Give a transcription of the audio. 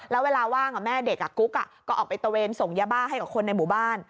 แล้วเวลาว่างแม่เด็กกุ๊กก็ออกไปตะเวนส่งยาบ้าให้กับคนในหมู่บ้าน